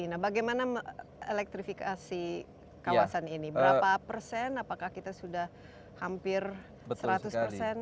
nah bagaimana elektrifikasi kawasan ini berapa persen apakah kita sudah hampir seratus persen